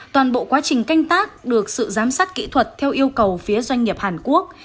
toàn bộ quá trình canh tác được sự giám sát kỹ thuật theo yêu cầu phía doanh nghiệp hàn quốc